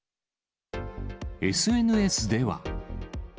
ＳＮＳでは。